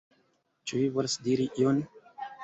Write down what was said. Ĉu vi volas diri ion?